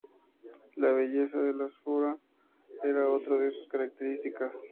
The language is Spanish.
La belleza de la Sforza era otra de sus características.